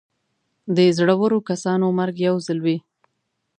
د زړور کسانو مرګ یو ځل وي.